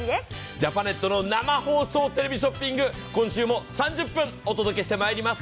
ジャパネットの生放送テレビショッピング、今週も３０分お送りしてまいります。